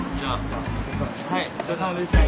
お疲れさまです。